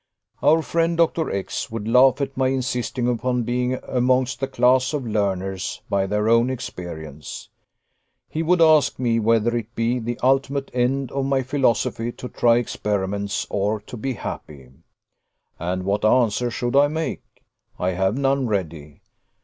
"Our friend, Dr. X , would laugh at my insisting upon being amongst the class of learners by their own experience. He would ask me, whether it be the ultimate end of my philosophy to try experiments, or to be happy. And what answer should I make? I have none ready.